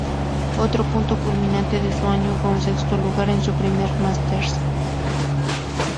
Otro punto culminante de su año fue un sexto lugar en su primer Masters.